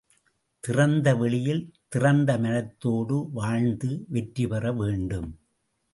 திறந்த வெளியில் திறந்த மனத்தோடு வாழ்ந்து வெற்றிபெற வேண்டும்.